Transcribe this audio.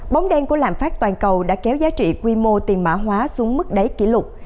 bóng đen của lạm phát toàn cầu đã kéo giá trị quy mô tiền mã hóa xuống mức đáy kỷ lục